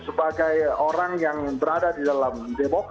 sebagai orang yang berada di dalam jenis perusahaan